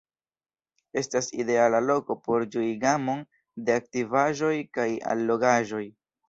Estas ideala loko por ĝui gamon de aktivaĵoj kaj allogaĵoj.